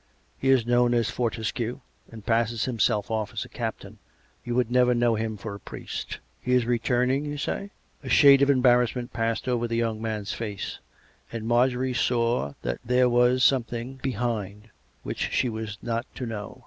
He is known as Fortescue, and passes himself off as a captain. You would never know him for a priest." " He is returning, you say ?" A shade of embarrassment passed over the young man's face, and Marjorie saw that there was something behind which she was not to know.